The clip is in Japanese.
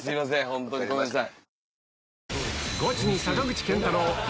ホントにごめんなさい。